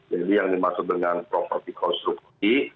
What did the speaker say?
jadi yang dimaksud dengan properti konstruksi